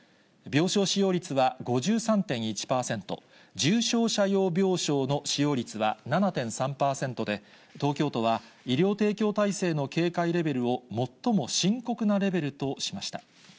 病床使用率は５３．１％、重症者用病床の使用率は７．３％で、東京都は、医療提供体制の警戒レベルを、最も深刻なレベルとしました。